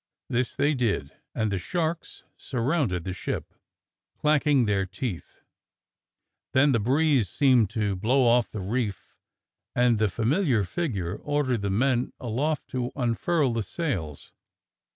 This they did, and the sharks sur rounded the ship, clacking their teeth. Then the breeze seemed to blow off the reef, and the familiar figure ordered the men aloft to unfurl the sails.